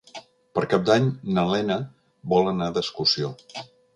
Per Cap d'Any na Lena vol anar d'excursió.